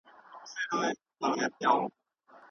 له ګاونډيو هېوادونو سره جګړې رامنځته سوې.